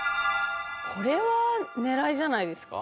これは狙いじゃないですか？